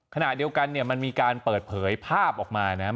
ขณะเดียวกันเนี่ยมันมีการเปิดเผยภาพออกมานะครับ